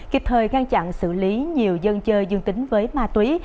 kịp thời ngăn chặn xử lý nhiều dân chơi dương tính với ma túy